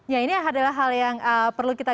ya ini adalah hal yang perlu kita